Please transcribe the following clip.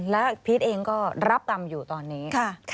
และพีชเองก็รับกรรมอยู่ตอนนี้